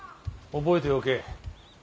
覚えておけ。